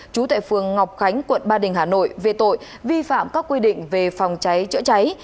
trú tại phường ngọc khánh quận ba đình hà nội về tội vi phạm các quy định về phòng cháy chữa cháy